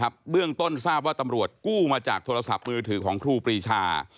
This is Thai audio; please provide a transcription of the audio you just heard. เบื้องต้นทราบว่าตำรวจกู้มาจากโทรศัพท์มือถือของครูปรีชา